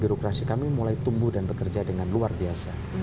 birokrasi kami mulai tumbuh dan bekerja dengan luar biasa